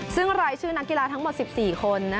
ซึ่งรายชื่อนักกีฬาทั้งหมด๑๔คน